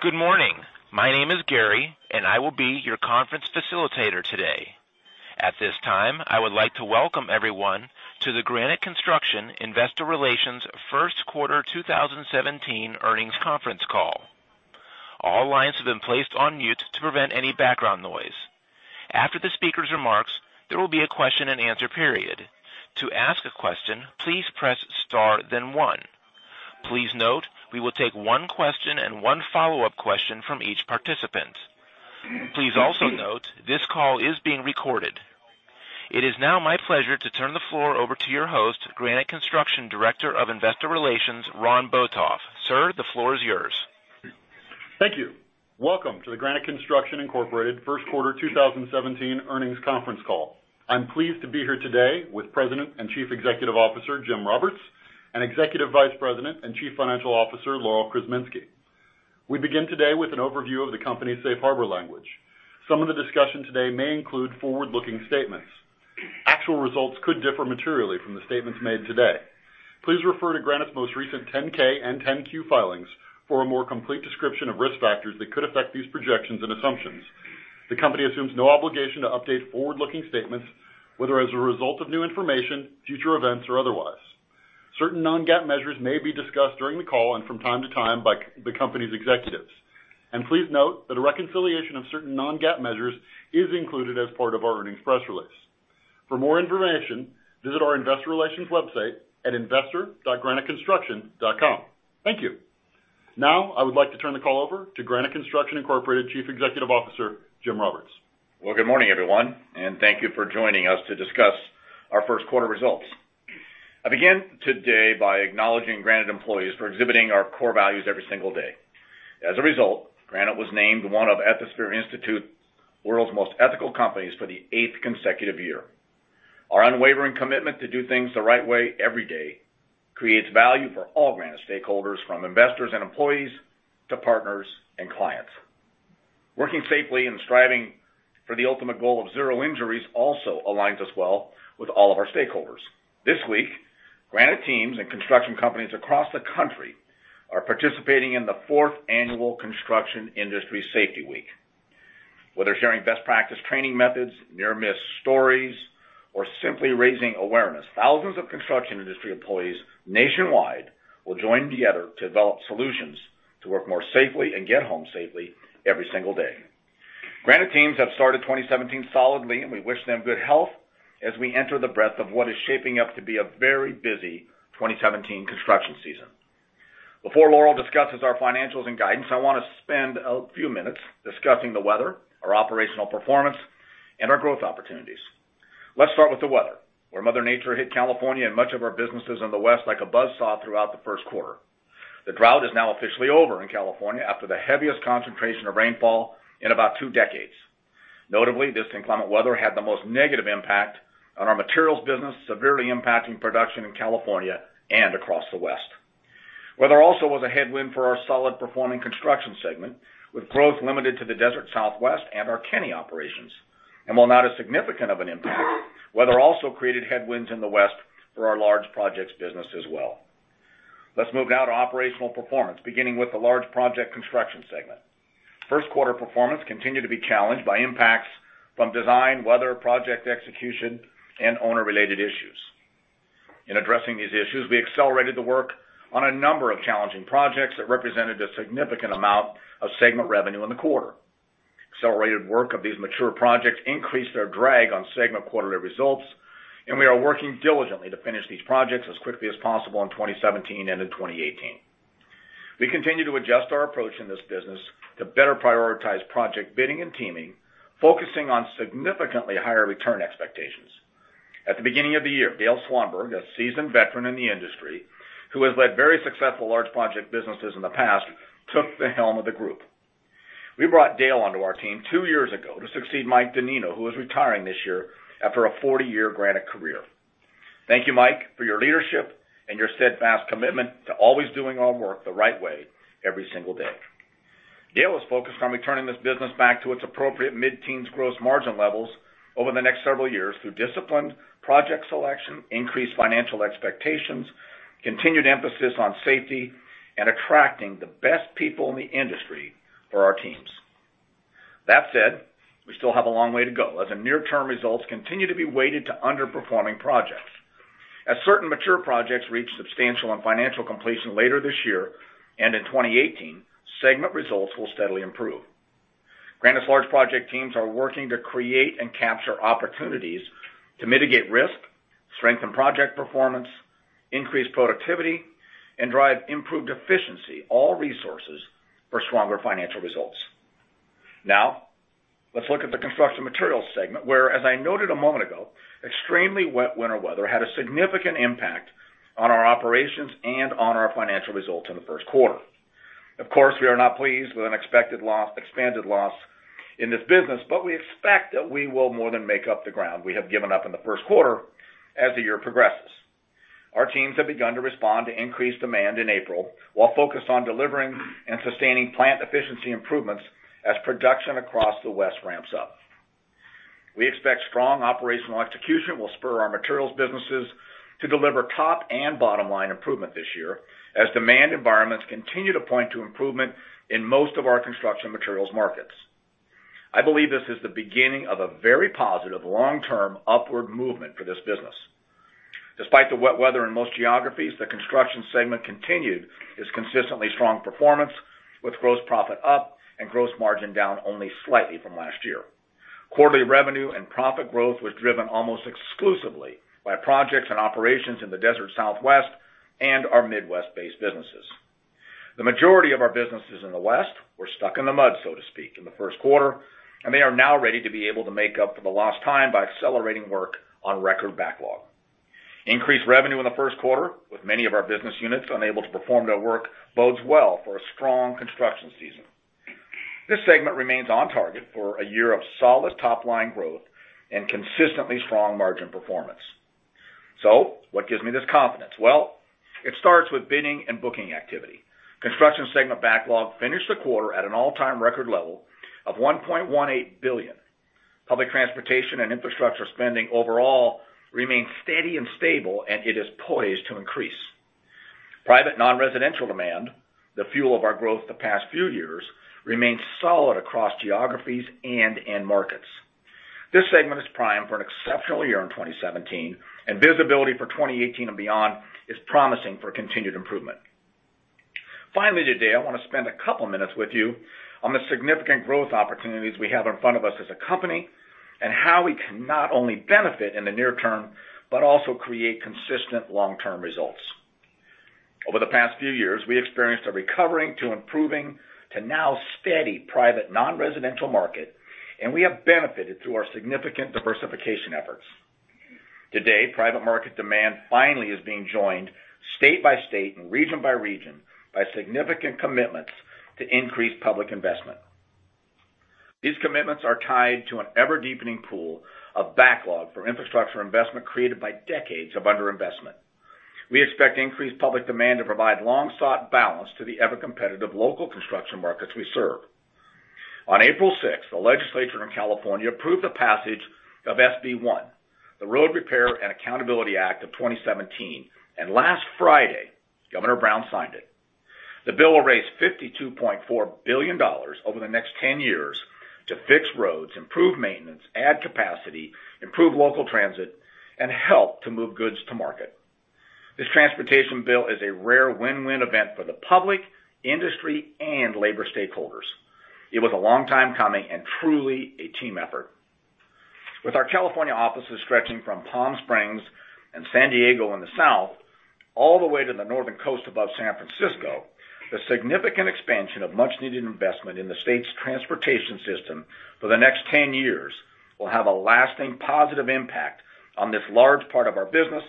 Good morning. My name is Gary, and I will be your conference facilitator today. At this time, I would like to welcome everyone to the Granite Construction Investor Relations first quarter 2017 earnings conference call. All lines have been placed on mute to prevent any background noise. After the speaker's remarks, there will be a question and answer period. To ask a question, please press star, then one. Please note, we will take one question and one follow-up question from each participant. Please also note, this call is being recorded. It is now my pleasure to turn the floor over to your host, Granite Construction Director of Investor Relations, Ron Botoff. Sir, the floor is yours. Thank you. Welcome to the Granite Construction Incorporated first quarter 2017 earnings conference call. I'm pleased to be here today with President and Chief Executive Officer, Jim Roberts, and Executive Vice President and Chief Financial Officer, Laurel Krzeminski. We begin today with an overview of the company's safe harbor language. Some of the discussion today may include forward-looking statements. Actual results could differ materially from the statements made today. Please refer to Granite's most recent 10-K and 10-Q filings for a more complete description of risk factors that could affect these projections and assumptions. The company assumes no obligation to update forward-looking statements, whether as a result of new information, future events, or otherwise. Certain non-GAAP measures may be discussed during the call and from time to time by the company's executives. Please note that a reconciliation of certain non-GAAP measures is included as part of our earnings press release. For more information, visit our investor relations website at investor.graniteconstruction.com. Thank you. Now, I would like to turn the call over to Granite Construction Incorporated, Chief Executive Officer, Jim Roberts. Well, good morning, everyone, and thank you for joining us to discuss our first quarter results. I begin today by acknowledging Granite employees for exhibiting our core values every single day. As a result, Granite was named one of the Ethisphere Institute's World's Most Ethical Companies for the eighth consecutive year. Our unwavering commitment to do things the right way every day creates value for all Granite stakeholders, from investors and employees to partners and clients. Working safely and striving for the ultimate goal of zero injuries also aligns us well with all of our stakeholders. This week, Granite teams and construction companies across the country are participating in the fourth annual Construction Industry Safety Week. Whether sharing best practice training methods, near-miss stories, or simply raising awareness, thousands of construction industry employees nationwide will join together to develop solutions to work more safely and get home safely every single day. Granite teams have started 2017 solidly, and we wish them good health as we enter the breadth of what is shaping up to be a very busy 2017 construction season. Before Laurel discusses our financials and guidance, I wanna spend a few minutes discussing the weather, our operational performance, and our growth opportunities. Let's start with the weather, where Mother Nature hit California and much of our businesses in the West like a buzzsaw throughout the first quarter. The drought is now officially over in California after the heaviest concentration of rainfall in about two decades. Notably, this inclement weather had the most negative impact on our materials business, severely impacting production in California and across the West. Weather also was a headwind for our solid performing construction segment, with growth limited to the Desert Southwest and our Kenny operations. While not as significant of an impact, weather also created headwinds in the West for our large projects business as well. Let's move now to operational performance, beginning with the large project construction segment. First quarter performance continued to be challenged by impacts from design, weather, project execution, and owner-related issues. In addressing these issues, we accelerated the work on a number of challenging projects that represented a significant amount of segment revenue in the quarter. Accelerated work of these mature projects increased their drag on segment quarterly results, and we are working diligently to finish these projects as quickly as possible in 2017 and in 2018. We continue to adjust our approach in this business to better prioritize project bidding and teaming, focusing on significantly higher return expectations. At the beginning of the year, Dale Swanberg, a seasoned veteran in the industry, who has led very successful large project businesses in the past, took the helm of the group. We brought Dale onto our team 2 years ago to succeed Mike Donnino, who is retiring this year after a 40-year Granite career. Thank you, Mike, for your leadership and your steadfast commitment to always doing our work the right way every single day. Dale is focused on returning this business back to its appropriate mid-teens gross margin levels over the next several years through disciplined project selection, increased financial expectations, continued emphasis on safety, and attracting the best people in the industry for our teams. That said, we still have a long way to go, as the near-term results continue to be weighted to underperforming projects. As certain mature projects reach substantial and financial completion later this year and in 2018, segment results will steadily improve. Granite's large project teams are working to create and capture opportunities to mitigate risk, strengthen project performance, increase productivity, and drive improved efficiency, all resources for stronger financial results. Now, let's look at the construction materials segment, where, as I noted a moment ago, extremely wet winter weather had a significant impact on our operations and on our financial results in the first quarter. Of course, we are not pleased with an expected loss - expanded loss in this business, but we expect that we will more than make up the ground we have given up in the first quarter as the year progresses. Our teams have begun to respond to increased demand in April, while focused on delivering and sustaining plant efficiency improvements as production across the West ramps up. We expect strong operational execution will spur our materials businesses to deliver top and bottom-line improvement this year, as demand environments continue to point to improvement in most of our construction materials markets. I believe this is the beginning of a very positive long-term upward movement for this business. Despite the wet weather in most geographies, the construction segment continued its consistently strong performance, with gross profit up and gross margin down only slightly from last year. Quarterly revenue and profit growth was driven almost exclusively by projects and operations in the Desert Southwest and our Midwest-based businesses. The majority of our businesses in the West were stuck in the mud, so to speak, in the first quarter, and they are now ready to be able to make up for the lost time by accelerating work on record backlog. Increased revenue in the first quarter, with many of our business units unable to perform their work, bodes well for a strong construction season. This segment remains on target for a year of solid top-line growth and consistently strong margin performance. So what gives me this confidence? Well, it starts with bidding and booking activity. Construction segment backlog finished the quarter at an all-time record level of $1.18 billion. Public transportation and infrastructure spending overall remains steady and stable, and it is poised to increase. Private non-residential demand, the fuel of our growth the past few years, remains solid across geographies and end markets. This segment is primed for an exceptional year in 2017, and visibility for 2018 and beyond is promising for continued improvement. Finally, today, I want to spend a couple minutes with you on the significant growth opportunities we have in front of us as a company, and how we can not only benefit in the near term, but also create consistent long-term results. Over the past few years, we experienced a recovering to improving to now steady private non-residential market, and we have benefited through our significant diversification efforts. Today, private market demand finally is being joined state by state and region by region by significant commitments to increase public investment. These commitments are tied to an ever-deepening pool of backlog for infrastructure investment created by decades of underinvestment. We expect increased public demand to provide long-sought balance to the ever-competitive local construction markets we serve. On April sixth, the legislature in California approved the passage of SB 1, the Road Repair and Accountability Act of 2017, and last Friday, Governor Brown signed it. The bill will raise $52.4 billion over the next 10 years to fix roads, improve maintenance, add capacity, improve local transit, and help to move goods to market. This transportation bill is a rare win-win event for the public, industry, and labor stakeholders. It was a long time coming and truly a team effort. With our California offices stretching from Palm Springs and San Diego in the south, all the way to the northern coast above San Francisco, the significant expansion of much-needed investment in the state's transportation system for the next 10 years will have a lasting positive impact on this large part of our business,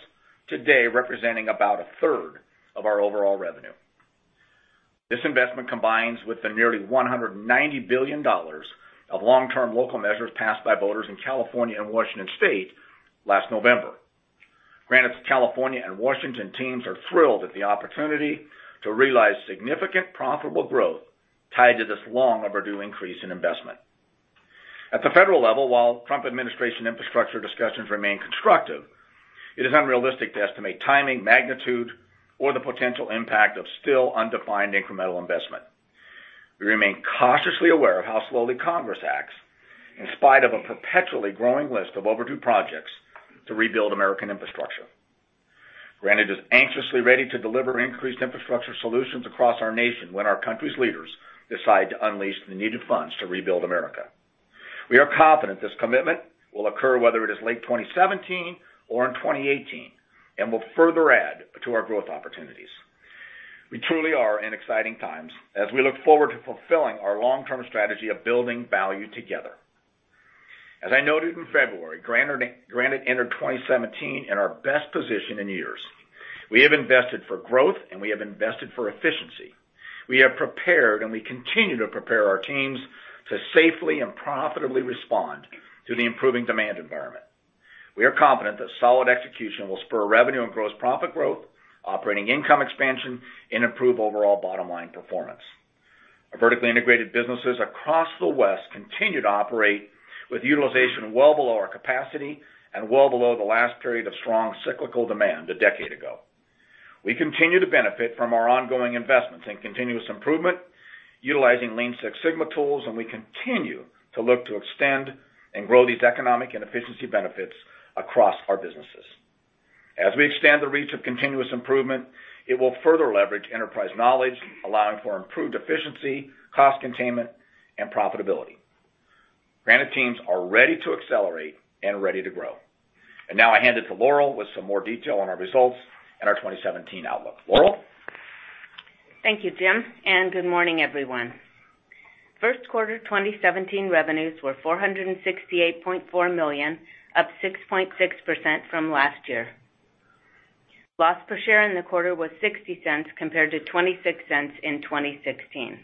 today, representing about a third of our overall revenue. This investment combines with the nearly $190 billion of long-term local measures passed by voters in California and Washington State last November. Granite's California and Washington teams are thrilled at the opportunity to realize significant profitable growth tied to this long overdue increase in investment. At the federal level, while Trump administration infrastructure discussions remain constructive, it is unrealistic to estimate timing, magnitude, or the potential impact of still undefined incremental investment. We remain cautiously aware of how slowly Congress acts, in spite of a perpetually growing list of overdue projects to rebuild American infrastructure. Granite is anxiously ready to deliver increased infrastructure solutions across our nation when our country's leaders decide to unleash the needed funds to rebuild America. We are confident this commitment will occur, whether it is late 2017 or in 2018, and will further add to our growth opportunities. We truly are in exciting times as we look forward to fulfilling our long-term strategy of building value together. As I noted in February, Granite entered 2017 in our best position in years. We have invested for growth, and we have invested for efficiency. We have prepared, and we continue to prepare our teams to safely and profitably respond to the improving demand environment. We are confident that solid execution will spur revenue and gross profit growth, operating income expansion, and improve overall bottom-line performance. Our vertically integrated businesses across the West continue to operate with utilization well below our capacity and well below the last period of strong cyclical demand a decade ago. We continue to benefit from our ongoing investments in continuous improvement, utilizing Lean Six Sigma tools, and we continue to look to extend and grow these economic and efficiency benefits across our businesses. As we extend the reach of continuous improvement, it will further leverage enterprise knowledge, allowing for improved efficiency, cost containment, and profitability. Granite teams are ready to accelerate and ready to grow. Now I hand it to Laurel with some more detail on our results and our 2017 outlook. Laurel? Thank you, Jim, and good morning, everyone. First quarter 2017 revenues were $468.4 million, up 6.6% from last year. Loss per share in the quarter was $0.60, compared to $0.26 in 2016.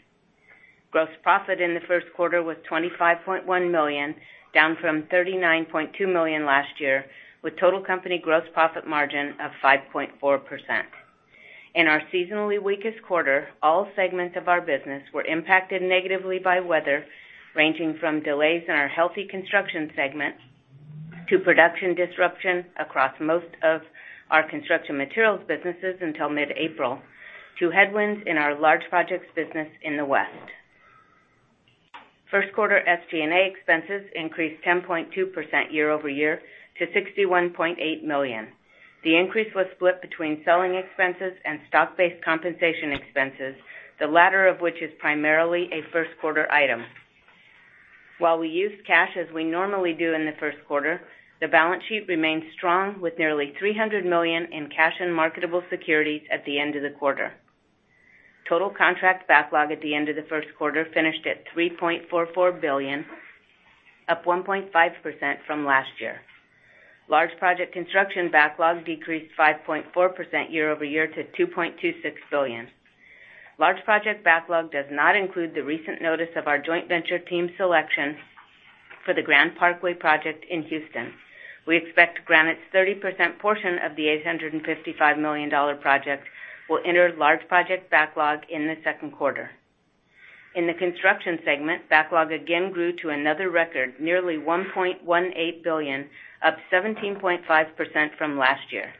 Gross profit in the first quarter was $25.1 million, down from $39.2 million last year, with total company gross profit margin of 5.4%.... in our seasonally weakest quarter, all segments of our business were impacted negatively by weather, ranging from delays in our healthy construction segment to production disruption across most of our construction materials businesses until mid-April, to headwinds in our large projects business in the West. First quarter SG&A expenses increased 10.2% year-over-year to $61.8 million. The increase was split between selling expenses and stock-based compensation expenses, the latter of which is primarily a first quarter item. While we used cash as we normally do in the first quarter, the balance sheet remains strong, with nearly $300 million in cash and marketable securities at the end of the quarter. Total contract backlog at the end of the first quarter finished at $3.44 billion, up 1.5% from last year. Large project construction backlog decreased 5.4% year-over-year to $2.26 billion. Large project backlog does not include the recent notice of our joint venture team selection for the Grand Parkway project in Houston. We expect Granite's 30% portion of the $855 million project will enter large project backlog in the second quarter. In the construction segment, backlog again grew to another record, nearly $1.18 billion, up 17.5% from last year.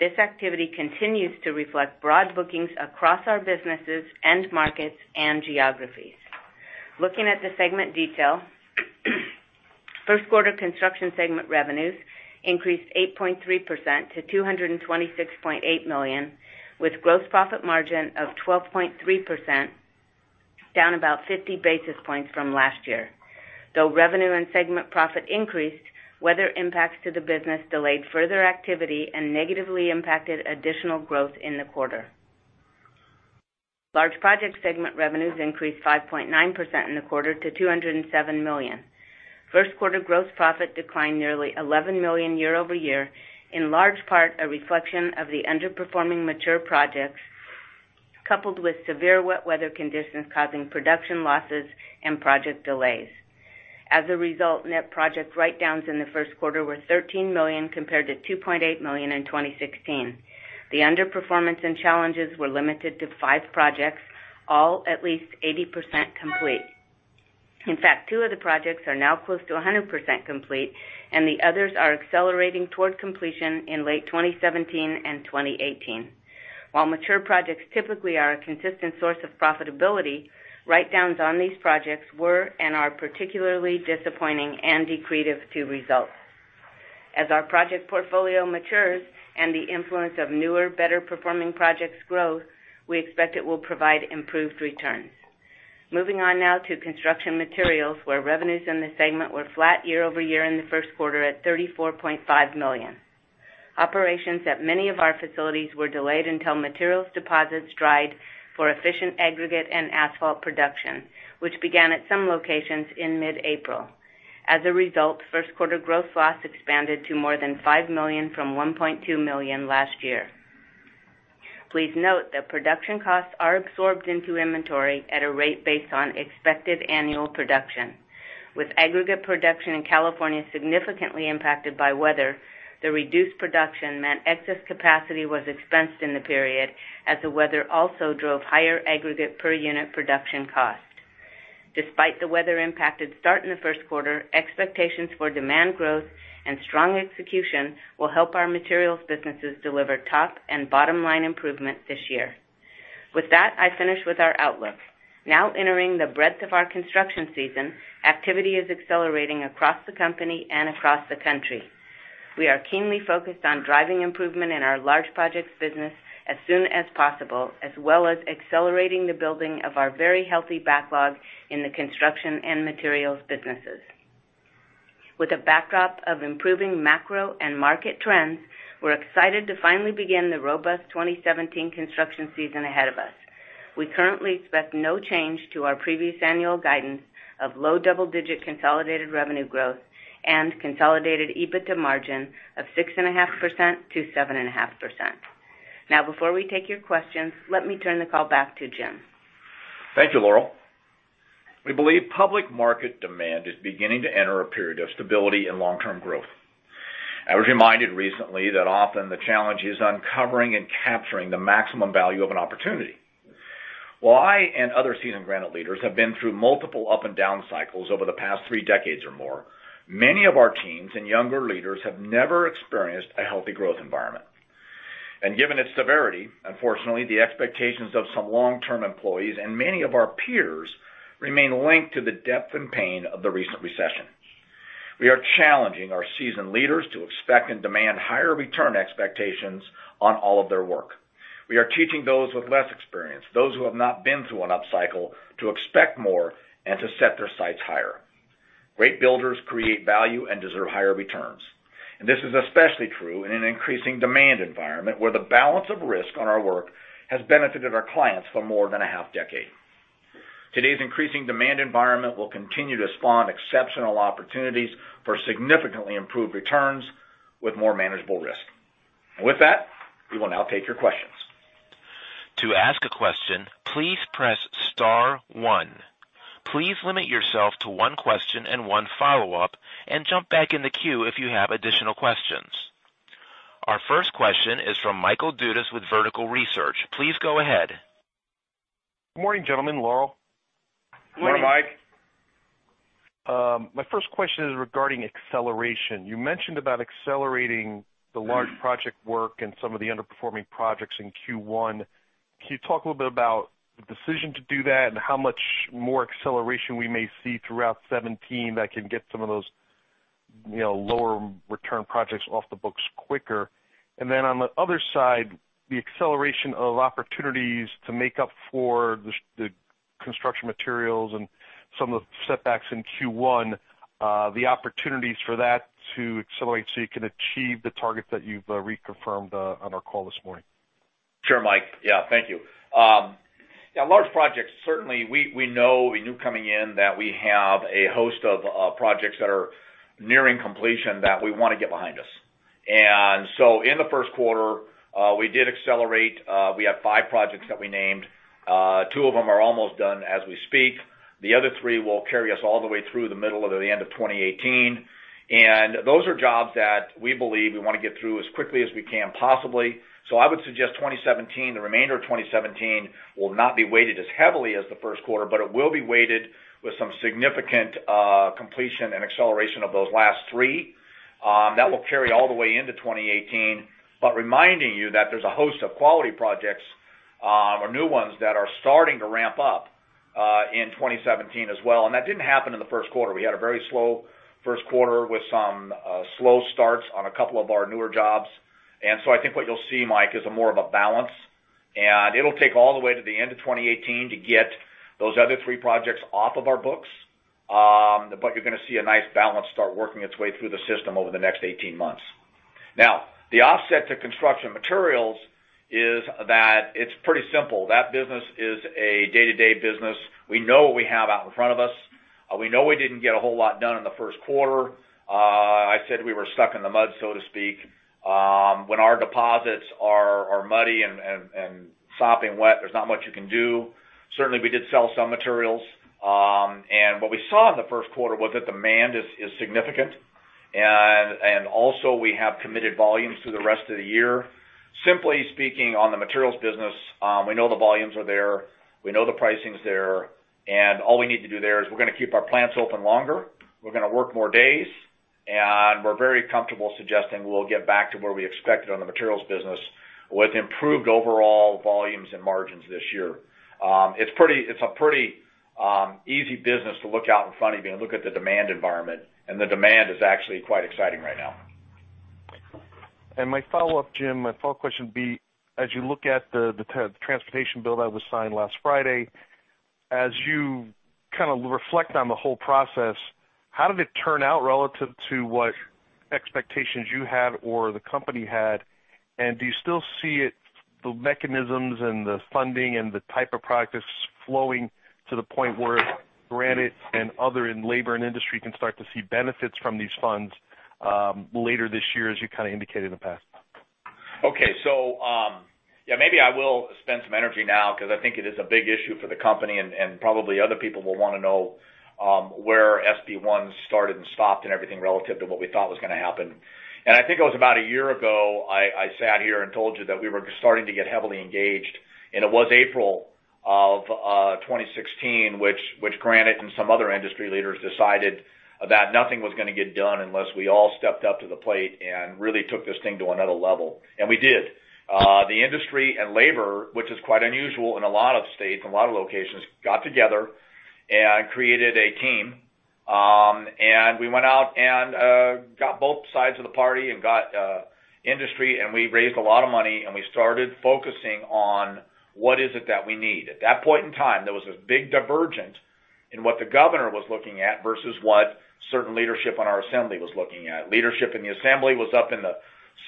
This activity continues to reflect broad bookings across our businesses and markets and geographies. Looking at the segment detail, first quarter construction segment revenues increased 8.3% to $226.8 million, with gross profit margin of 12.3%, down about 50 basis points from last year. Though revenue and segment profit increased, weather impacts to the business delayed further activity and negatively impacted additional growth in the quarter. Large project segment revenues increased 5.9% in the quarter to $207 million. First quarter gross profit declined nearly $11 million year-over-year, in large part, a reflection of the underperforming mature projects, coupled with severe wet weather conditions causing production losses and project delays. As a result, net project write-downs in the first quarter were $13 million, compared to $2.8 million in 2016. The underperformance and challenges were limited to 5 projects, all at least 80% complete. In fact, 2 of the projects are now close to 100% complete, and the others are accelerating towards completion in late 2017 and 2018. While mature projects typically are a consistent source of profitability, write-downs on these projects were and are particularly disappointing and accretive to results. As our project portfolio matures and the influence of newer, better performing projects grow, we expect it will provide improved returns. Moving on now to construction materials, where revenues in this segment were flat year-over-year in the first quarter at $34.5 million. Operations at many of our facilities were delayed until materials deposits dried for efficient aggregate and asphalt production, which began at some locations in mid-April. As a result, first quarter growth loss expanded to more than $5 million from $1.2 million last year. Please note that production costs are absorbed into inventory at a rate based on expected annual production. With aggregate production in California significantly impacted by weather, the reduced production meant excess capacity was expensed in the period, as the weather also drove higher aggregate per unit production cost. Despite the weather-impacted start in the first quarter, expectations for demand growth and strong execution will help our materials businesses deliver top and bottom-line improvement this year. With that, I finish with our outlook. Now entering the breadth of our construction season, activity is accelerating across the company and across the country. We are keenly focused on driving improvement in our large projects business as soon as possible, as well as accelerating the building of our very healthy backlog in the construction and materials businesses. With a backdrop of improving macro and market trends, we're excited to finally begin the robust 2017 construction season ahead of us. We currently expect no change to our previous annual guidance of low double-digit consolidated revenue growth and consolidated EBITDA margin of 6.5%-7.5%. Now, before we take your questions, let me turn the call back to Jim. Thank you, Laurel. We believe public market demand is beginning to enter a period of stability and long-term growth. I was reminded recently that often the challenge is uncovering and capturing the maximum value of an opportunity. While I and other seasoned Granite leaders have been through multiple up and down cycles over the past three decades or more, many of our teams and younger leaders have never experienced a healthy growth environment. Given its severity, unfortunately, the expectations of some long-term employees and many of our peers remain linked to the depth and pain of the recent recession. We are challenging our seasoned leaders to expect and demand higher return expectations on all of their work. We are teaching those with less experience, those who have not been through an upcycle, to expect more and to set their sights higher. Great builders create value and deserve higher returns, and this is especially true in an increasing demand environment, where the balance of risk on our work has benefited our clients for more than a half decade. Today's increasing demand environment will continue to spawn exceptional opportunities for significantly improved returns with more manageable risk. With that, we will now take your questions. To ask a question, please press star one.... Please limit yourself to one question and one follow-up, and jump back in the queue if you have additional questions. Our first question is from Michael Dudas with Vertical Research. Please go ahead. Good morning, gentlemen. Laurel? Good morning, Mike. My first question is regarding acceleration. You mentioned about accelerating the large project work and some of the underperforming projects in Q1. Can you talk a little bit about the decision to do that and how much more acceleration we may see throughout 2017 that can get some of those, you know, lower return projects off the books quicker? And then on the other side, the acceleration of opportunities to make up for the construction materials and some of the setbacks in Q1, the opportunities for that to accelerate so you can achieve the targets that you've reconfirmed on our call this morning. Sure, Mike. Yeah, thank you. Yeah, large projects, certainly we knew coming in that we have a host of projects that are nearing completion that we wanna get behind us. And so in the first quarter, we did accelerate. We have five projects that we named. Two of them are almost done as we speak. The other three will carry us all the way through the middle or the end of 2018. And those are jobs that we believe we wanna get through as quickly as we can possibly. So I would suggest 2017, the remainder of 2017, will not be weighted as heavily as the first quarter, but it will be weighted with some significant completion and acceleration of those last three. That will carry all the way into 2018. But reminding you that there's a host of quality projects, or new ones that are starting to ramp up, in 2017 as well, and that didn't happen in the first quarter. We had a very slow first quarter with some slow starts on a couple of our newer jobs. And so I think what you'll see, Mike, is a more of a balance, and it'll take all the way to the end of 2018 to get those other three projects off of our books. But you're gonna see a nice balance start working its way through the system over the next eighteen months. Now, the offset to construction materials is that it's pretty simple. That business is a day-to-day business. We know what we have out in front of us. We know we didn't get a whole lot done in the first quarter. I said we were stuck in the mud, so to speak. When our deposits are muddy and sopping wet, there's not much you can do. Certainly, we did sell some materials, and what we saw in the first quarter was that demand is significant. And also we have committed volumes through the rest of the year. Simply speaking, on the materials business, we know the volumes are there, we know the pricing's there, and all we need to do there is we're gonna keep our plants open longer, we're gonna work more days, and we're very comfortable suggesting we'll get back to where we expected on the materials business, with improved overall volumes and margins this year. It's a pretty easy business to look out in front of you and look at the demand environment, and the demand is actually quite exciting right now. My follow-up, Jim, my follow-up question would be, as you look at the transportation bill that was signed last Friday, as you kinda reflect on the whole process, how did it turn out relative to what expectations you had or the company had? And do you still see it, the mechanisms and the funding and the type of practice flowing to the point where Granite and other in labor and industry can start to see benefits from these funds, later this year, as you kinda indicated in the past? Okay. So, yeah, maybe I will spend some energy now because I think it is a big issue for the company, and probably other people will wanna know where SB1 started and stopped and everything relative to what we thought was gonna happen. I think it was about a year ago, I sat here and told you that we were starting to get heavily engaged, and it was April of 2016, which Granite and some other industry leaders decided that nothing was gonna get done unless we all stepped up to the plate and really took this thing to another level, and we did. The industry and labor, which is quite unusual in a lot of states and a lot of locations, got together and created a team. We went out and got both sides of the party and got industry, and we raised a lot of money, and we started focusing on what is it that we need. At that point in time, there was a big divergence in what the governor was looking at versus what certain leadership on our assembly was looking at. Leadership in the assembly was up in the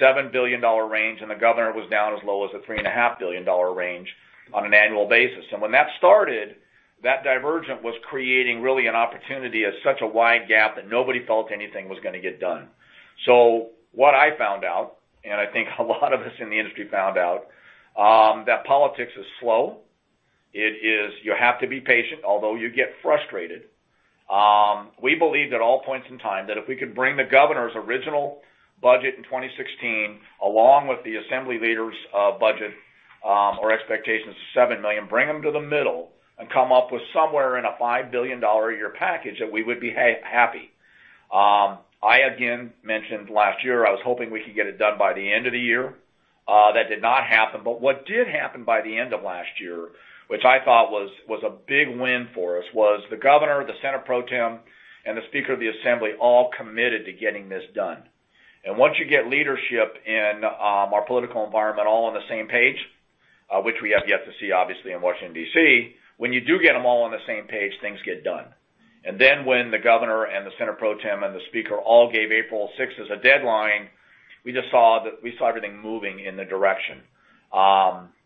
$7 billion range, and the governor was down as low as a $3.5 billion range on an annual basis. When that started, that divergence was creating really an opportunity as such a wide gap that nobody felt anything was gonna get done. What I found out, and I think a lot of us in the industry found out, that politics is slow. You have to be patient, although you get frustrated. We believed at all points in time that if we could bring the governor's original budget in 2016, along with the assembly leader's budget, or expectations, $7 million, bring them to the middle and come up with somewhere in a $5 billion a year package, that we would be happy. I again mentioned last year, I was hoping we could get it done by the end of the year. That did not happen, but what did happen by the end of last year, which I thought was, was a big win for us, was the governor, the Senate Pro Tem, and the Speaker of the Assembly, all committed to getting this done. Once you get leadership in, our political environment all on the same page, which we have yet to see, obviously, in Washington, D.C., when you do get them all on the same page, things get done. Then when the governor and the Senate Pro Tem and the speaker all gave April sixth as a deadline, we just saw that. We saw everything moving in the direction.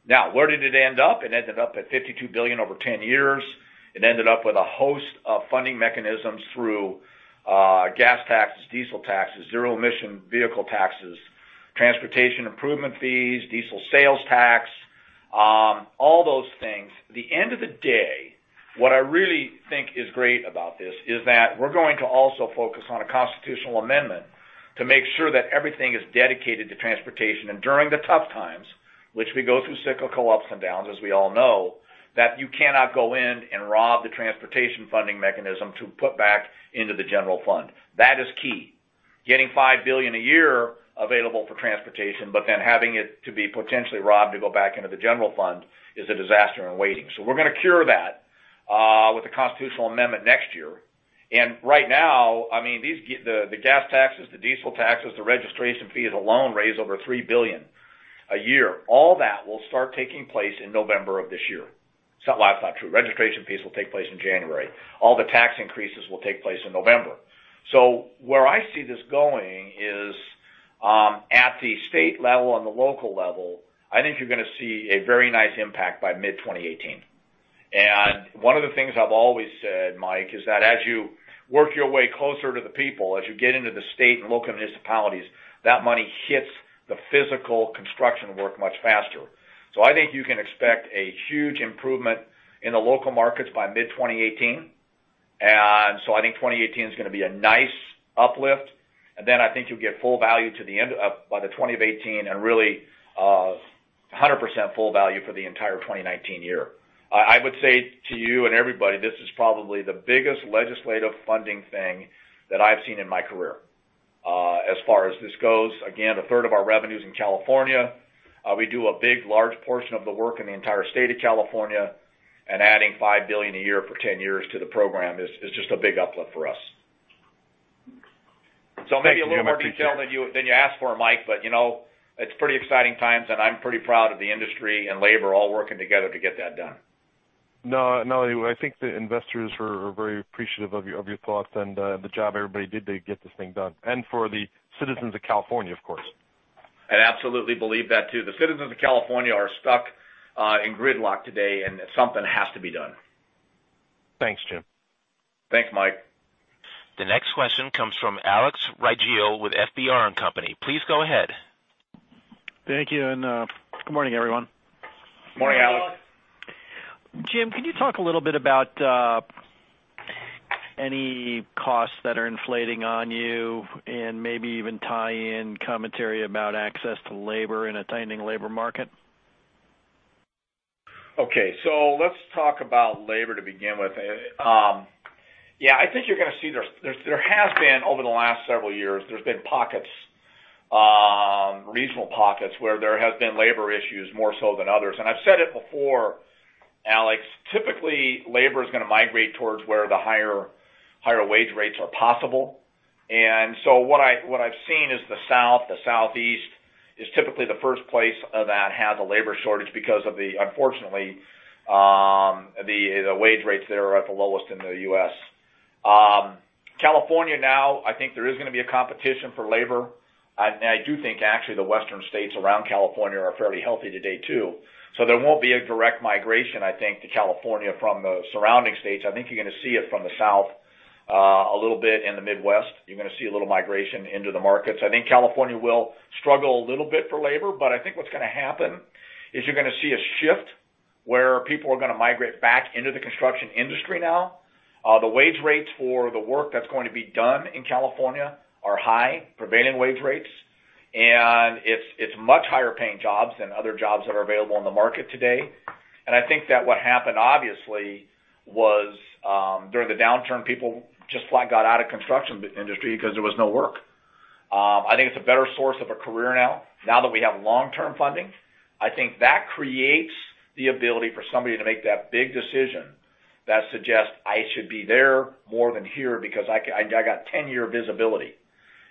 Now, where did it end up? It ended up at $52 billion over 10 years. It ended up with a host of funding mechanisms through, gas taxes, diesel taxes, zero-emission vehicle taxes, transportation improvement fees, diesel sales tax.... All those things. The end of the day, what I really think is great about this is that we're going to also focus on a constitutional amendment to make sure that everything is dedicated to transportation. During the tough times, which we go through cyclical ups and downs, as we all know, that you cannot go in and rob the transportation funding mechanism to put back into the general fund. That is key. Getting $5 billion a year available for transportation, but then having it to be potentially robbed to go back into the general fund is a disaster in waiting. So we're gonna cure that with the constitutional amendment next year. And right now, I mean, these, the gas taxes, the diesel taxes, the registration fees alone, raise over $3 billion a year. All that will start taking place in November of this year. So well, that's not true. Registration fees will take place in January. All the tax increases will take place in November. So where I see this going is, at the state level and the local level, I think you're gonna see a very nice impact by mid-2018. And one of the things I've always said, Mike, is that as you work your way closer to the people, as you get into the state and local municipalities, that money hits the physical construction work much faster. So I think you can expect a huge improvement in the local markets by mid-2018. And so I think 2018 is gonna be a nice uplift, and then I think you'll get full value to the end of, by the 20 of 2018, and really, 100% full value for the entire 2019 year. I would say to you and everybody, this is probably the biggest legislative funding thing that I've seen in my career, as far as this goes. Again, a third of our revenue's in California. We do a big, large portion of the work in the entire state of California, and adding $5 billion a year for 10 years to the program is just a big uplift for us. So maybe a little more detail than you asked for, Mike, but, you know, it's pretty exciting times, and I'm pretty proud of the industry and labor all working together to get that done. No, no. I think the investors were very appreciative of your thoughts and the job everybody did to get this thing done, and for the citizens of California, of course. I absolutely believe that, too. The citizens of California are stuck in gridlock today, and something has to be done. Thanks, Jim. Thanks, Mike. The next question comes from Alex Ruggieri with FBR & Co. Please go ahead. Thank you, and, good morning, everyone. Morning, Alex. Jim, can you talk a little bit about any costs that are inflating on you and maybe even tie in commentary about access to labor in a tightening labor market? Okay. So let's talk about labor to begin with. Yeah, I think you're gonna see there has been, over the last several years, there has been reasonable pockets where there has been labor issues more so than others. And I've said it before, Alex, typically, labor is gonna migrate towards where the higher wage rates are possible. And so what I, what I've seen is the South, the Southeast, is typically the first place that has a labor shortage because of the, unfortunately, the wage rates there are at the lowest in the U.S. California now, I think there is gonna be a competition for labor. And I do think actually the Western states around California are fairly healthy today, too. So there won't be a direct migration, I think, to California from the surrounding states. I think you're gonna see it from the South, a little bit in the Midwest. You're gonna see a little migration into the markets. I think California will struggle a little bit for labor, but I think what's gonna happen is you're gonna see a shift where people are gonna migrate back into the construction industry now. The wage rates for the work that's going to be done in California are high, prevailing wage rates, and it's much higher paying jobs than other jobs that are available in the market today. And I think that what happened, obviously, was, during the downturn, people just flat got out of construction industry because there was no work. I think it's a better source of a career now, now that we have long-term funding. I think that creates the ability for somebody to make that big decision that suggests I should be there more than here because I got 10-year visibility.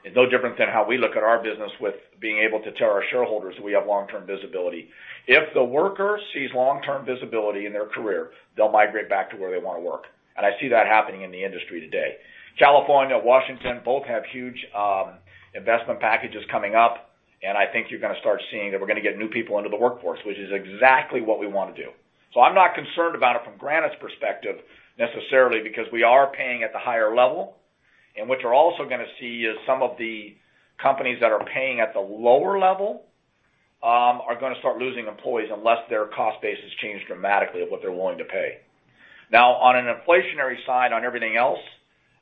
It's no different than how we look at our business with being able to tell our shareholders we have long-term visibility. If the worker sees long-term visibility in their career, they'll migrate back to where they wanna work, and I see that happening in the industry today. California, Washington, both have huge investment packages coming up, and I think you're gonna start seeing that we're gonna get new people into the workforce, which is exactly what we wanna do. So I'm not concerned about it from Granite's perspective, necessarily, because we are paying at the higher level. What you're also gonna see is some of the companies that are paying at the lower level are gonna start losing employees unless their cost base has changed dramatically of what they're willing to pay. Now, on an inflationary side, on everything else,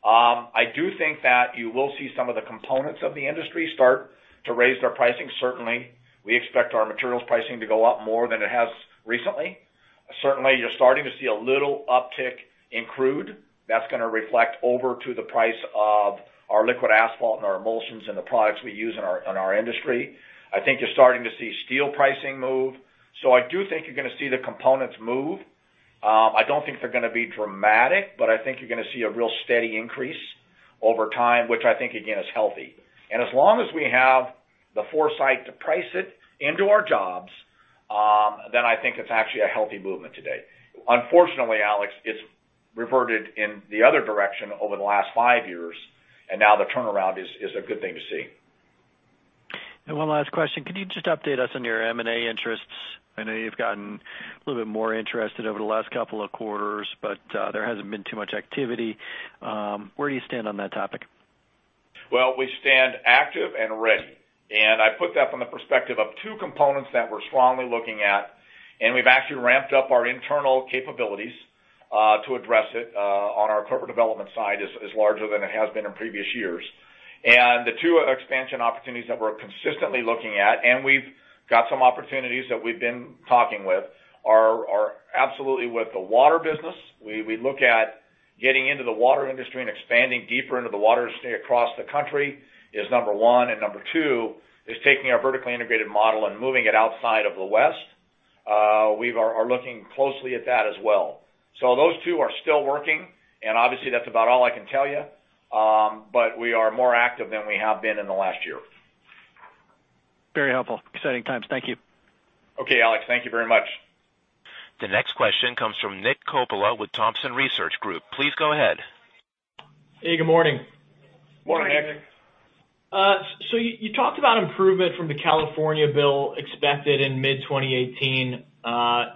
I do think that you will see some of the components of the industry start to raise their pricing. Certainly, we expect our materials pricing to go up more than it has recently. Certainly, you're starting to see a little uptick in crude. That's gonna reflect over to the price of our liquid asphalt and our emulsions and the products we use in our industry. I think you're starting to see steel pricing move. So I do think you're gonna see the components move. I don't think they're gonna be dramatic, but I think you're gonna see a real steady increase over time, which I think, again, is healthy. And as long as we have the foresight to price it into our jobs, then I think it's actually a healthy movement today. Unfortunately, Alex, it's reverted in the other direction over the last five years, and now the turnaround is a good thing to see. One last question. Could you just update us on your M&A interests? I know you've gotten a little bit more interested over the last couple of quarters, but there hasn't been too much activity. Where do you stand on that topic?... Well, we stand active and ready, and I put that from the perspective of two components that we're strongly looking at, and we've actually ramped up our internal capabilities to address it on our corporate development side is larger than it has been in previous years. And the two expansion opportunities that we're consistently looking at, and we've got some opportunities that we've been talking with, are absolutely with the water business. We look at getting into the water industry and expanding deeper into the water industry across the country is number one, and number two is taking our vertically integrated model and moving it outside of the West. We are looking closely at that as well. So those two are still working, and obviously, that's about all I can tell you. But we are more active than we have been in the last year. Very helpful. Exciting times. Thank you. Okay, Alex, thank you very much. The next question comes from Nick Coppola with Thompson Research Group. Please go ahead. Hey, good morning. Morning, Nick. So you talked about improvement from the California bill expected in mid 2018.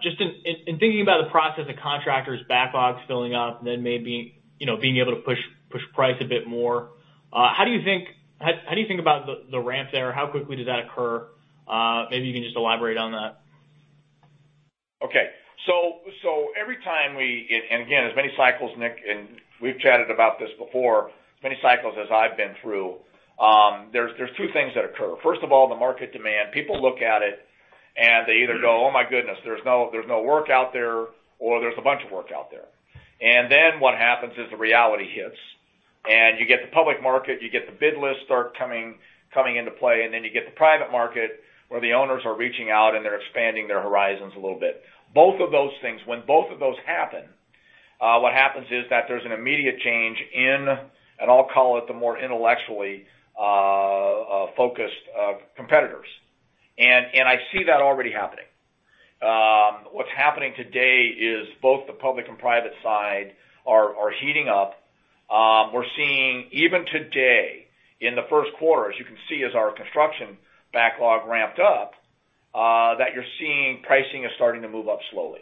Just in thinking about the process of contractors' backlogs filling up, then maybe, you know, being able to push price a bit more, how do you think about the ramp there? How quickly does that occur? Maybe you can just elaborate on that. Okay. So every time we... And again, as many cycles, Nick, and we've chatted about this before, as many cycles as I've been through, there's two things that occur. First of all, the market demand. People look at it, and they either go: Oh, my goodness, there's no work out there, or there's a bunch of work out there. And then what happens is, the reality hits, and you get the public market, you get the bid list start coming into play, and then you get the private market, where the owners are reaching out, and they're expanding their horizons a little bit. Both of those things, when both of those happen, what happens is that there's an immediate change in, and I'll call it the more intellectually focused competitors. And I see that already happening. What's happening today is both the public and private side are heating up. We're seeing, even today, in the first quarter, as you can see, as our construction backlog ramped up, that you're seeing pricing is starting to move up slowly.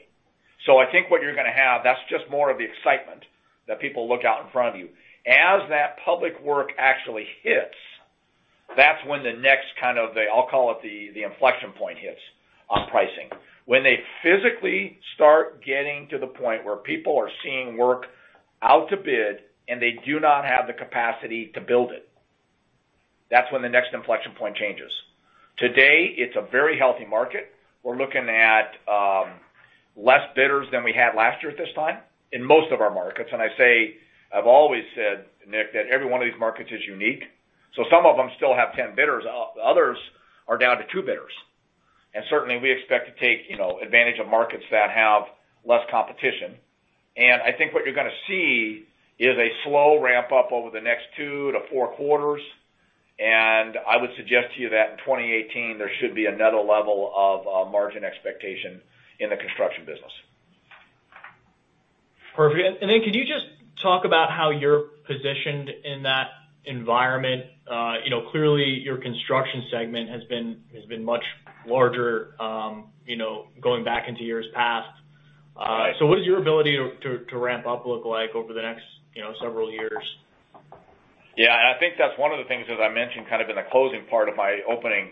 So I think what you're gonna have, that's just more of the excitement that people look out in front of you. As that public work actually hits, that's when the next kind of the, I'll call it the, the inflection point hits on pricing. When they physically start getting to the point where people are seeing work out to bid, and they do not have the capacity to build it, that's when the next inflection point changes. Today, it's a very healthy market. We're looking at less bidders than we had last year at this time in most of our markets. I say, I've always said, Nick, that every one of these markets is unique, so some of them still have 10 bidders. Others are down to 2 bidders. And certainly, we expect to take, you know, advantage of markets that have less competition. And I think what you're gonna see is a slow ramp-up over the next 2-4 quarters, and I would suggest to you that in 2018, there should be another level of margin expectation in the construction business. Perfect. And then could you just talk about how you're positioned in that environment? You know, clearly, your construction segment has been much larger, you know, going back into years past. Right. What does your ability to ramp up look like over the next, you know, several years? Yeah, I think that's one of the things, as I mentioned, kind of in the closing part of my opening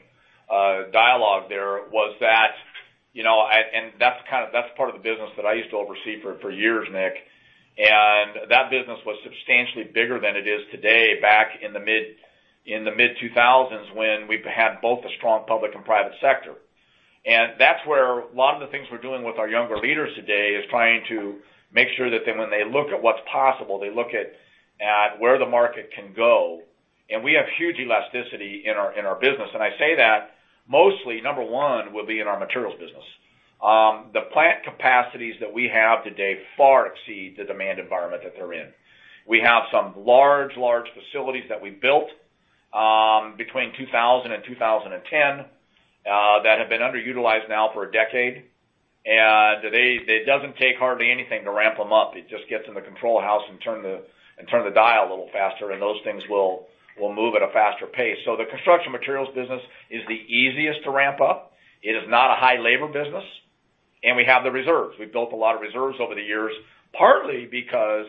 dialogue there, was that, you know, and that's part of the business that I used to oversee for years, Nick. And that business was substantially bigger than it is today back in the mid-2000s, when we've had both a strong public and private sector. And that's where a lot of the things we're doing with our younger leaders today is trying to make sure that when they look at what's possible, they look at where the market can go. And we have huge elasticity in our business. And I say that, mostly, number one, will be in our materials business. The plant capacities that we have today far exceed the demand environment that they're in. We have some large, large facilities that we built between 2000 and 2010 that have been underutilized now for a decade, and they, it doesn't take hardly anything to ramp them up. It just gets in the control house and turn the dial a little faster, and those things will move at a faster pace. So the construction materials business is the easiest to ramp up. It is not a high labor business, and we have the reserves. We've built a lot of reserves over the years, partly because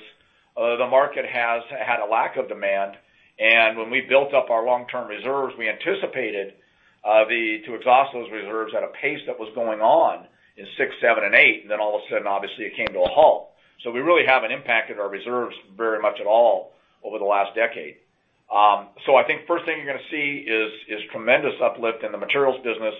the market has had a lack of demand, and when we built up our long-term reserves, we anticipated the to exhaust those reserves at a pace that was going on in 2006, 2007, and 2008, and then all of a sudden, obviously, it came to a halt. So we really haven't impacted our reserves very much at all over the last decade. So I think first thing you're gonna see is tremendous uplift in the materials business,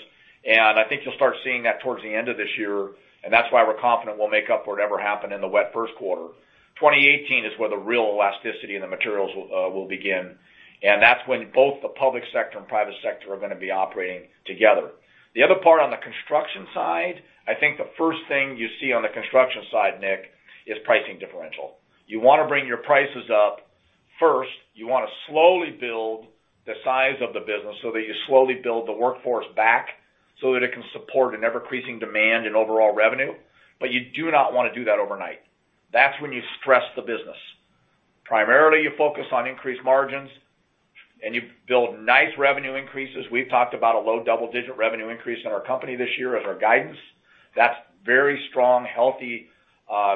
and I think you'll start seeing that towards the end of this year, and that's why we're confident we'll make up for whatever happened in the wet first quarter. 2018 is where the real elasticity in the materials will begin, and that's when both the public sector and private sector are gonna be operating together. The other part, on the construction side, I think the first thing you see on the construction side, Nick, is pricing differential. You wanna bring your prices up. First, you wanna slowly build the size of the business so that you slowly build the workforce back, so that it can support an ever-increasing demand in overall revenue. But you do not wanna do that overnight. That's when you stress the business. Primarily, you focus on increased margins, and you build nice revenue increases. We've talked about a low double-digit revenue increase in our company this year as our guidance. That's very strong, healthy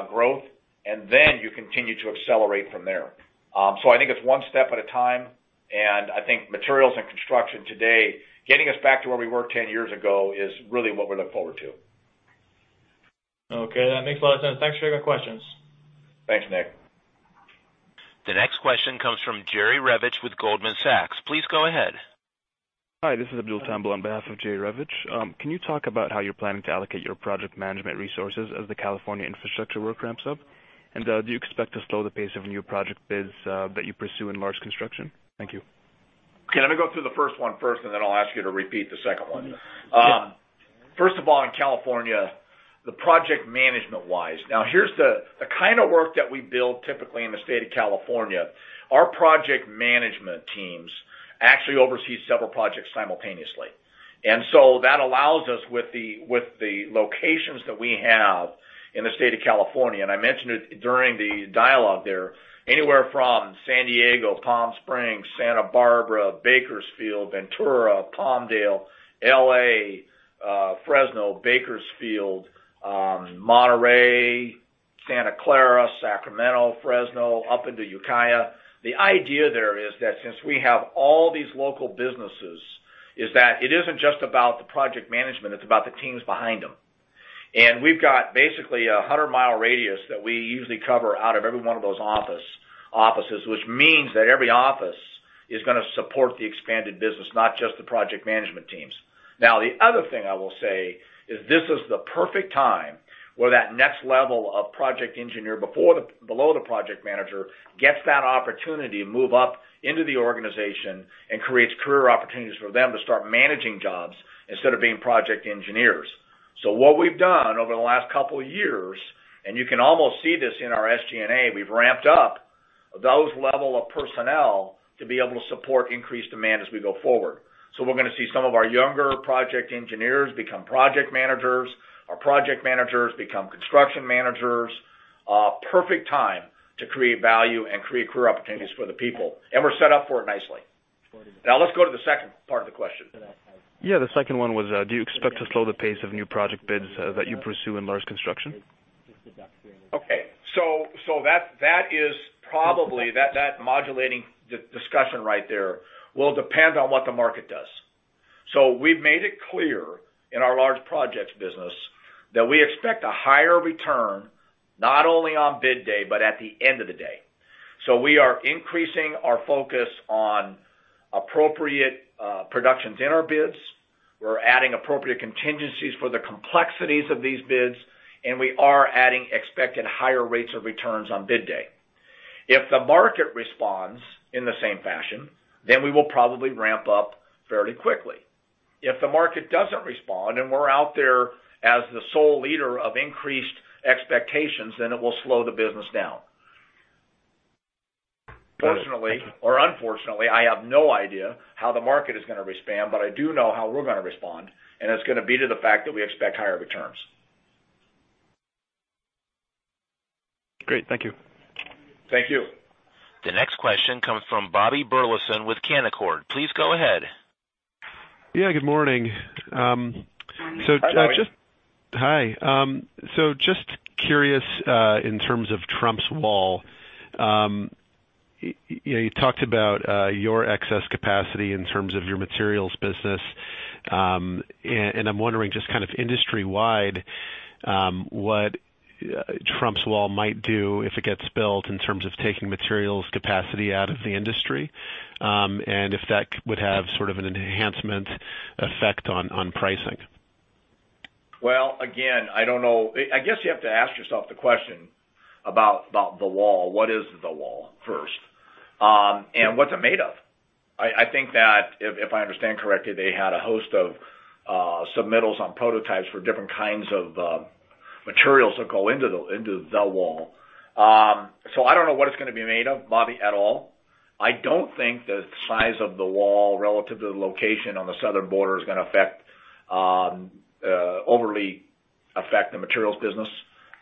growth, and then you continue to accelerate from there. So I think it's one step at a time, and I think materials and construction today, getting us back to where we were 10 years ago is really what we look forward to. Okay, that makes a lot of sense. Thanks for your questions. Thanks, Nick. The next question comes from Jerry Revich with Goldman Sachs. Please go ahead. Hi, this is Aadil Tamboli on behalf of Jerry Revich. Can you talk about how you're planning to allocate your project management resources as the California infrastructure work ramps up? And do you expect to slow the pace of new project bids that you pursue in large construction? Thank you. Okay, let me go through the first one first, and then I'll ask you to repeat the second one. Yeah. First of all, in California, the project management-wise. Now, here's the kind of work that we build typically in the state of California, our project management teams actually oversee several projects simultaneously. And so that allows us, with the locations that we have in the state of California, and I mentioned it during the dialogue there, anywhere from San Diego, Palm Springs, Santa Barbara, Bakersfield, Ventura, Palmdale, L.A., Fresno, Bakersfield, Monterey, Santa Clara, Sacramento, Fresno, up into Ukiah. The idea there is that since we have all these local businesses, is that it isn't just about the project management, it's about the teams behind them. And we've got basically a 100-mile radius that we usually cover out of every one of those offices, which means that every office is gonna support the expanded business, not just the project management teams. Now, the other thing I will say is this is the perfect time where that next level of project engineer, before the-- below the project manager, gets that opportunity to move up into the organization and creates career opportunities for them to start managing jobs instead of being project engineers. So what we've done over the last couple of years, and you can almost see this in our SG&A, we've ramped up those level of personnel to be able to support increased demand as we go forward. So we're gonna see some of our younger project engineers become project managers, our project managers become construction managers. Perfect time to create value and create career opportunities for the people, and we're set up for it nicely. Now, let's go to the second part of the question. Yeah, the second one was, do you expect to slow the pace of new project bids, that you pursue in large construction? Okay. So that modulating discussion right there will depend on what the market does. So we've made it clear in our large projects business that we expect a higher return, not only on bid day, but at the end of the day. So we are increasing our focus on appropriate productions in our bids, we're adding appropriate contingencies for the complexities of these bids, and we are adding expected higher rates of returns on bid day. If the market responds in the same fashion, then we will probably ramp up fairly quickly. If the market doesn't respond, and we're out there as the sole leader of increased expectations, then it will slow the business down. Great, okay. Fortunately, or unfortunately, I have no idea how the market is gonna respond, but I do know how we're gonna respond, and it's gonna be to the fact that we expect higher returns. Great. Thank you. Thank you. The next question comes from Bobby Burleson with Canaccord. Please go ahead. Yeah, good morning. So just- Hi, Bobby. Hi. So just curious, in terms of Trump's wall. You know, you talked about your excess capacity in terms of your materials business. And I'm wondering just kind of industry-wide, what Trump's wall might do if it gets built, in terms of taking materials capacity out of the industry, and if that would have sort of an enhancement effect on pricing? Well, again, I don't know. I guess you have to ask yourself the question about the wall: What is the wall, first, and what's it made of? I think that if I understand correctly, they had a host of submittals on prototypes for different kinds of materials that go into the wall. So I don't know what it's gonna be made of, Bobby, at all. I don't think the size of the wall, relative to the location on the southern border, is gonna overly affect the materials business.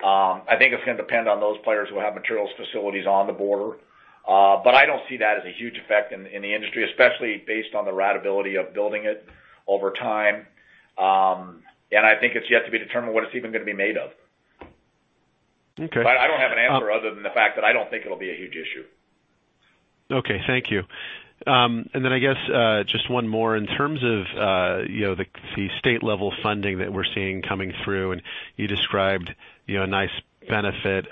I think it's gonna depend on those players who have materials facilities on the border. But I don't see that as a huge effect in the industry, especially based on the ratability of building it over time. I think it's yet to be determined what it's even gonna be made of. Okay, um- But I don't have an answer other than the fact that I don't think it'll be a huge issue. Okay, thank you. And then I guess just one more. In terms of you know, the state level funding that we're seeing coming through, and you described you know, a nice benefit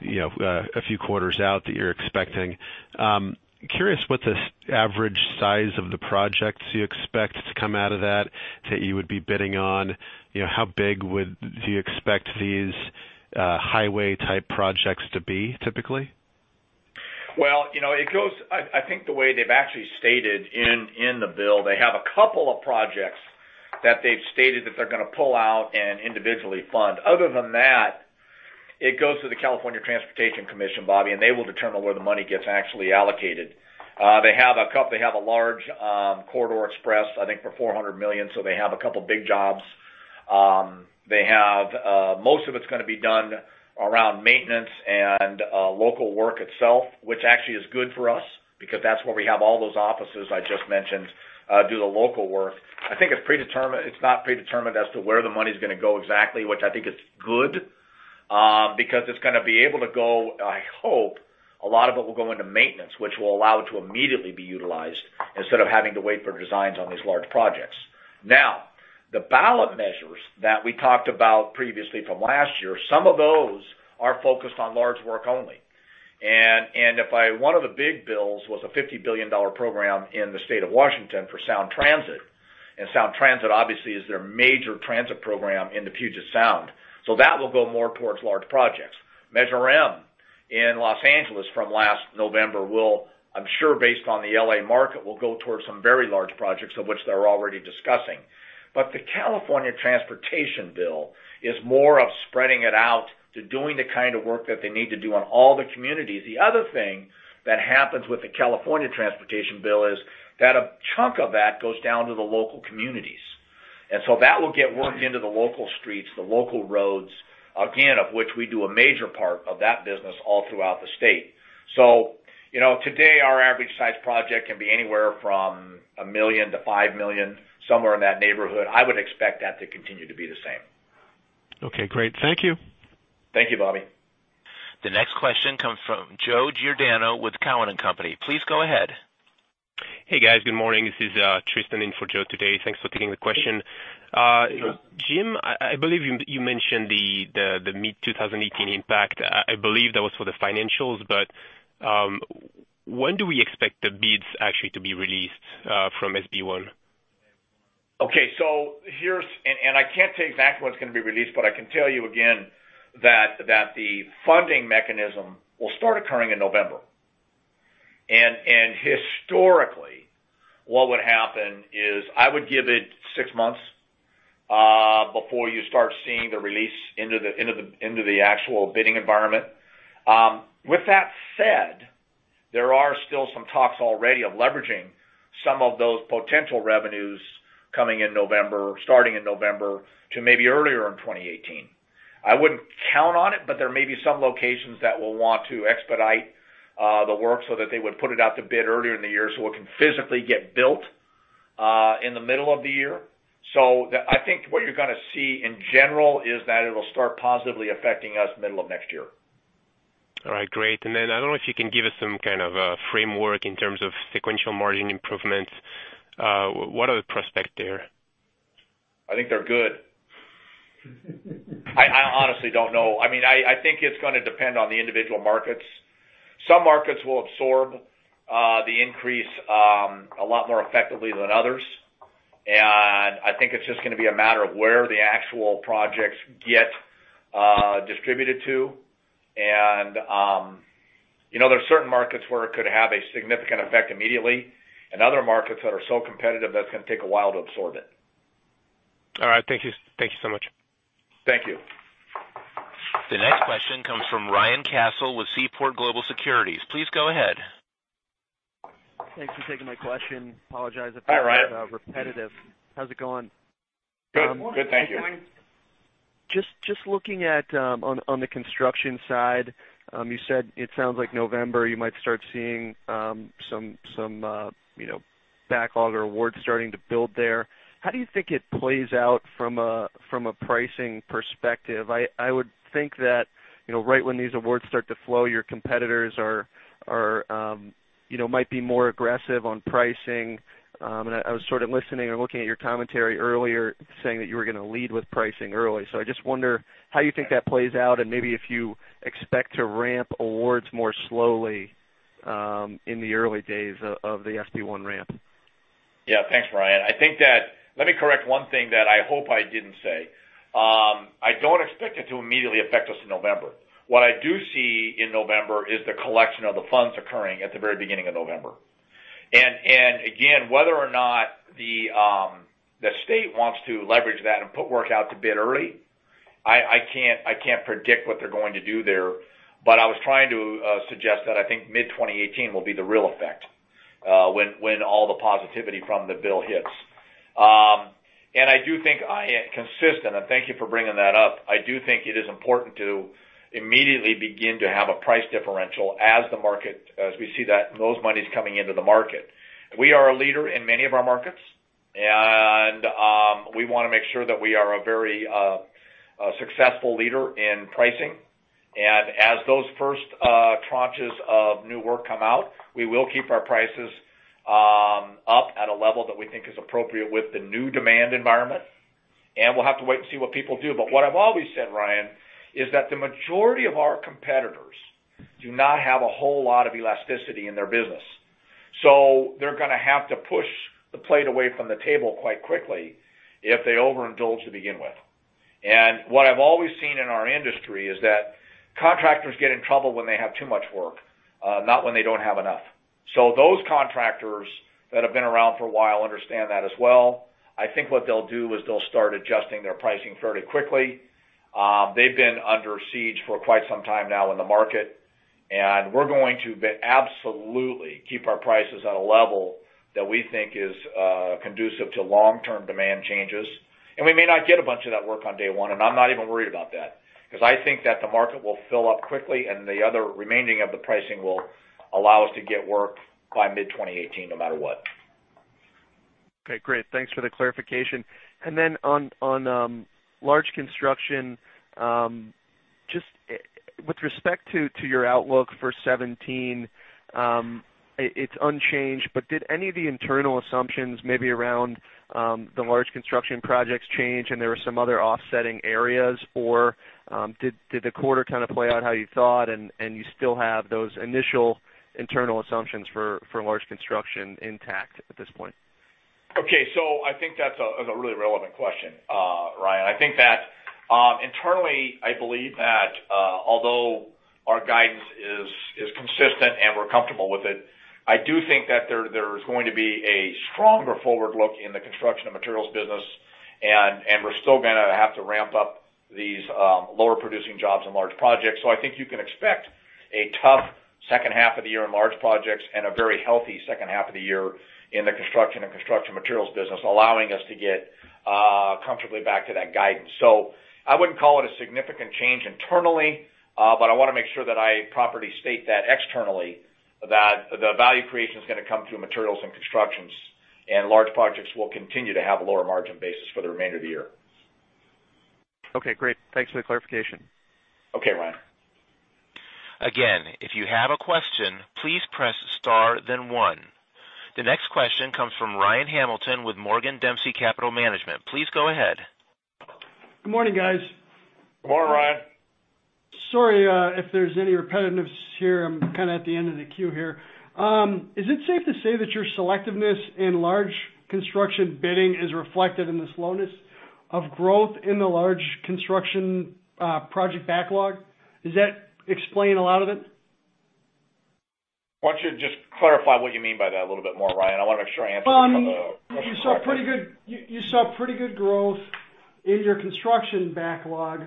you know, a few quarters out that you're expecting. Curious what the average size of the projects you expect to come out of that, that you would be bidding on? You know, how big would you expect these highway-type projects to be, typically? Well, you know, it goes... I, I think the way they've actually stated in, in the bill, they have a couple of projects that they've stated that they're gonna pull out and individually fund. Other than that, it goes to the California Transportation Commission, Bobby, and they will determine where the money gets actually allocated. They have a large corridor express, I think, for $400 million, so they have a couple big jobs. They have, most of it's gonna be done around maintenance and local work itself, which actually is good for us, because that's where we have all those offices I just mentioned do the local work. I think it's predetermined—it's not predetermined as to where the money's gonna go exactly, which I think is good. Because it's gonna be able to go, I hope, a lot of it will go into maintenance, which will allow it to immediately be utilized instead of having to wait for designs on these large projects. Now, the ballot measures that we talked about previously from last year, some of those are focused on large work only. And one of the big bills was a $50 billion program in the state of Washington for Sound Transit, and Sound Transit obviously is their major transit program in the Puget Sound. So that will go more towards large projects. Measure M in Los Angeles from last November will, I'm sure, based on the LA market, will go towards some very large projects of which they're already discussing. But the California Transportation Bill is more of spreading it out to doing the kind of work that they need to do on all the communities. The other thing that happens with the California Transportation Bill is that a chunk of that goes down to the local communities, and so that will get worked into the local streets, the local roads, again, of which we do a major part of that business all throughout the state. So, you know, today, our average size project can be anywhere from $1 million to $5 million, somewhere in that neighborhood. I would expect that to continue to be the same. Okay, great. Thank you. Thank you, Bobby. The next question comes from Joe Giordano with Cowen and Company. Please go ahead. Hey, guys. Good morning. This is Tristan in for Joe today. Thanks for taking the question. Jim, I believe you mentioned the mid-2018 impact. I believe that was for the financials, but when do we expect the bids actually to be released from SB1? Okay. So I can't say exactly when it's gonna be released, but I can tell you again that the funding mechanism will start occurring in November. Historically, what would happen is I would give it six months before you start seeing the release into the actual bidding environment. With that said, there are still some talks already of leveraging some of those potential revenues coming in November, starting in November, to maybe earlier in 2018. I wouldn't count on it, but there may be some locations that will want to expedite the work so that they would put it out to bid earlier in the year, so it can physically get built in the middle of the year. So the... I think what you're gonna see in general is that it'll start positively affecting us middle of next year. All right, great. And then I don't know if you can give us some kind of framework in terms of sequential margin improvements. What are the prospects there? I think they're good. I honestly don't know. I mean, I think it's gonna depend on the individual markets. Some markets will absorb the increase a lot more effectively than others, and I think it's just gonna be a matter of where the actual projects get distributed to. You know, there are certain markets where it could have a significant effect immediately, and other markets that are so competitive that it's gonna take a while to absorb it. All right. Thank you. Thank you so much. Thank you. The next question comes from Ryan Cassil with Seaport Global Securities. Please go ahead. Thanks for taking my question. Apologize if it's- Hi, Ryan. Repetitive. How's it going? Good. Good, thank you. Just looking at on the construction side, you said it sounds like November, you might start seeing some you know, backlog or awards starting to build there. How do you think it plays out from a pricing perspective? I would think that, you know, right when these awards start to flow, your competitors are you know, might be more aggressive on pricing. And I was sort of listening and looking at your commentary earlier, saying that you were gonna lead with pricing early. So I just wonder how you think that plays out and maybe if you expect to ramp awards more slowly in the early days of the SB1 ramp. Yeah. Thanks, Ryan. I think that... Let me correct one thing that I hope I didn't say. I don't expect it to immediately affect us in November. What I do see in November is the collection of the funds occurring at the very beginning of November. And again, whether or not the state wants to leverage that and put work out to bid early, I can't predict what they're going to do there, but I was trying to suggest that I think mid-2018 will be the real effect, when all the positivity from the bill hits. And I do think consistent, and thank you for bringing that up, I do think it is important to immediately begin to have a price differential as the market, as we see that, those monies coming into the market. We are a leader in many of our markets, and we wanna make sure that we are a very successful leader in pricing. And as those first tranches of new work come out, we will keep our prices up at a level that we think is appropriate with the new demand environment, and we'll have to wait to see what people do. But what I've always said, Ryan, is that the majority of our competitors do not have a whole lot of elasticity in their business. So they're gonna have to push the plate away from the table quite quickly if they overindulge to begin with. And what I've always seen in our industry is that contractors get in trouble when they have too much work, not when they don't have enough. So those contractors that have been around for a while understand that as well. I think what they'll do is they'll start adjusting their pricing fairly quickly. They've been under siege for quite some time now in the market, and we're going to be absolutely keep our prices at a level that we think is conducive to long-term demand changes. And we may not get a bunch of that work on day one, and I'm not even worried about that. 'Cause I think that the market will fill up quickly, and the other remaining of the pricing will allow us to get work by mid-2018, no matter what.... Okay, great. Thanks for the clarification. And then on large construction, just with respect to your outlook for 2017, it's unchanged, but did any of the internal assumptions, maybe around the large construction projects change and there were some other offsetting areas? Or, did the quarter kind of play out how you thought and you still have those initial internal assumptions for large construction intact at this point? Okay. So I think that's a really relevant question, Ryan. I think that internally, I believe that although our guidance is consistent and we're comfortable with it, I do think that there is going to be a stronger forward look in the construction and materials business, and we're still gonna have to ramp up these lower producing jobs in large projects. So I think you can expect a tough second half of the year in large projects and a very healthy second half of the year in the construction and construction materials business, allowing us to get comfortably back to that guidance. So I wouldn't call it a significant change internally, but I wanna make sure that I properly state that externally, that the value creation is gonna come through materials and constructions, and large projects will continue to have a lower margin basis for the remainder of the year. Okay, great. Thanks for the clarification. Okay, Ryan. Again, if you have a question, please press star, then one. The next question comes from Ryan Hamilton with Morgan Dempsey Capital Management. Please go ahead. Good morning, guys. Good morning, Ryan. Sorry, if there's any repetitiveness here. I'm kind of at the end of the queue here. Is it safe to say that your selectiveness in large construction bidding is reflected in the slowness of growth in the large construction project backlog? Does that explain a lot of it? Why don't you just clarify what you mean by that a little bit more, Ryan? I wanna make sure I answer the question. You saw pretty good growth in your construction backlog,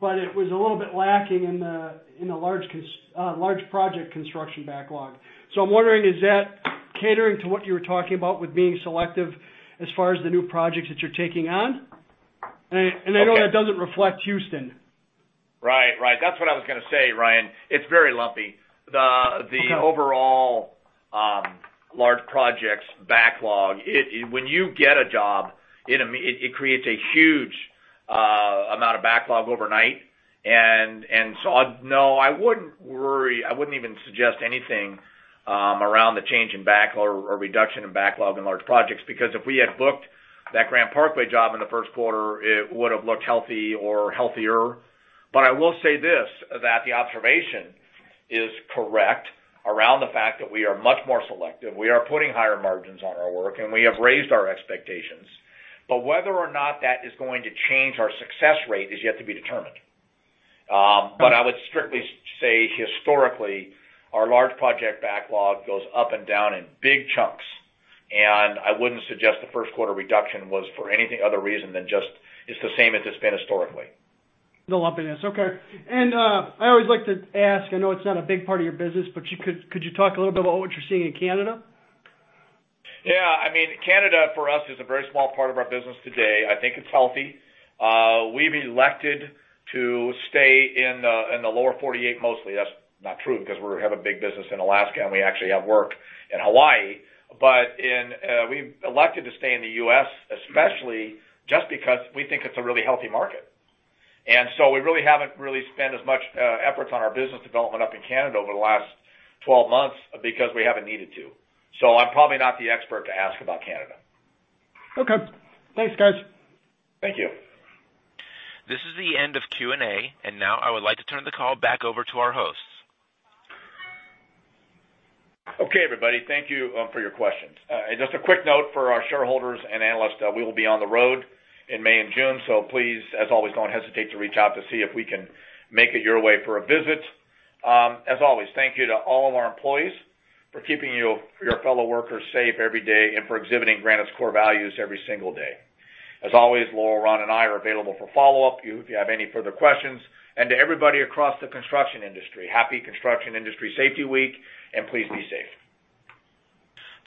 but it was a little bit lacking in the large project construction backlog. So I'm wondering, is that catering to what you were talking about with being selective as far as the new projects that you're taking on? And I- Okay. I know that doesn't reflect Houston. Right. Right. That's what I was gonna say, Ryan. It's very lumpy. Okay... overall, large projects backlog, when you get a job, it creates a huge amount of backlog overnight. And so, no, I wouldn't worry, I wouldn't even suggest anything around the change in backlog or reduction in backlog in large projects, because if we had booked that Grand Parkway job in the first quarter, it would have looked healthy or healthier. But I will say this, that the observation is correct around the fact that we are much more selective. We are putting higher margins on our work, and we have raised our expectations, but whether or not that is going to change our success rate is yet to be determined. But I would strictly say, historically, our large project backlog goes up and down in big chunks, and I wouldn't suggest the first quarter reduction was for anything other reason than just it's the same as it's been historically. The lumpiness. Okay. And, I always like to ask. I know it's not a big part of your business, but could you talk a little bit about what you're seeing in Canada? Yeah. I mean, Canada, for us, is a very small part of our business today. I think it's healthy. We've elected to stay in the Lower 48 mostly. That's not true because we have a big business in Alaska, and we actually have work in Hawaii, but we've elected to stay in the U.S., especially just because we think it's a really healthy market. And so we really haven't spent as much effort on our business development up in Canada over the last 12 months because we haven't needed to. So I'm probably not the expert to ask about Canada. Okay. Thanks, guys. Thank you. This is the end of Q&A, and now I would like to turn the call back over to our hosts. Okay, everybody. Thank you for your questions. Just a quick note for our shareholders and analysts, we will be on the road in May and June, so please, as always, don't hesitate to reach out to see if we can make it your way for a visit. As always, thank you to all of our employees for keeping you, your fellow workers safe every day and for exhibiting Granite's core values every single day. As always, Laurel, Ron, and I are available for follow-up if you have any further questions. To everybody across the construction industry, happy Construction Industry Safety Week, and please be safe.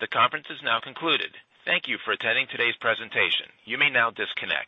The conference is now concluded. Thank you for attending today's presentation. You may now disconnect.